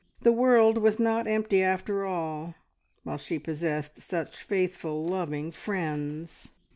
The world was not empty after all, while she possessed such faithful, loving friends.